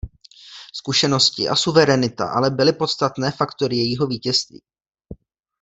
Zkušenosti a suverenita ale byly podstatné faktory jejího vítězství.